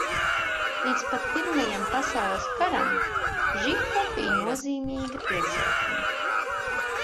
Līdz pat Pirmajam pasaules karam Žifa bija nenozīmīga pilsētiņa.